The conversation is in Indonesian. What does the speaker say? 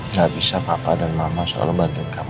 gak bisa papa dan mama selalu bantuin kamu